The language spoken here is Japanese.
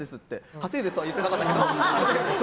はせゆうですとは言ってなかったけど。